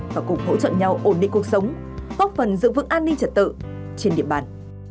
và cùng hỗ trợ nhau ổn định cuộc sống góp phần giữ vững an ninh trật tự trên địa bàn